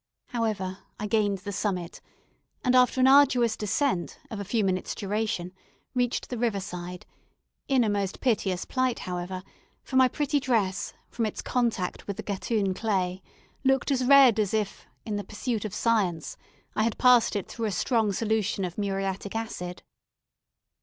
However, I gained the summit, and after an arduous descent, of a few minutes duration, reached the river side; in a most piteous plight, however, for my pretty dress, from its contact with the Gatun clay, looked as red as if, in the pursuit of science, I had passed it through a strong solution of muriatic acid.